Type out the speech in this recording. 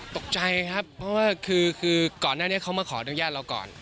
ตกใจครับเพราะว่าคือก่อนหน้านี้เขามาขออนุญาตเราก่อน